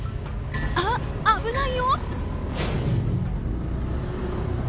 あっ、危ないよ！